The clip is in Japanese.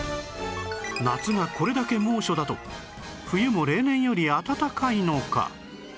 夏がこれだけ猛暑だと冬も例年より暖かいのか？